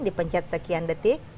dipencet sekian detik